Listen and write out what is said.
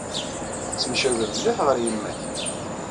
Tettemcabid mliḥ ɣer yemma-k.